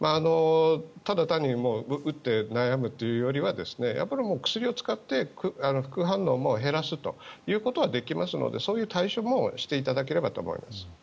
ただ単に打って悩むというよりは薬を使って副反応も減らすということはできますのでそういう対処もしていただければと思います。